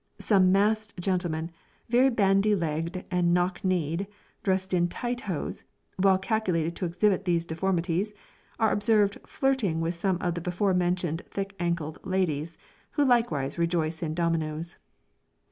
Some masked gentlemen, very bandy legged and knock kneed, dressed in tight hose, well calculated to exhibit these deformities, are observed flirting with some of the before mentioned thick ankled ladies, who likewise rejoice in dominos.